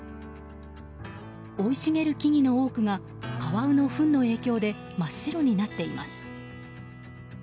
生い茂る木々の多くがカワウのふんの影響で真っ白になっています。